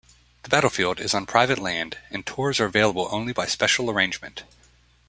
The battlefield is on private land and tours are available only by special arrangement.